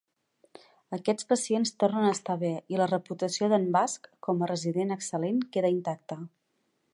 Aquests pacients tornen a estar bé i la reputació d'en Basch com a resident excel·lent queda intacta.